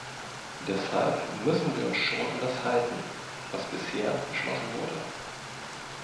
Deshalb müssen wir uns schon an das halten, was bisher beschlossen wurde.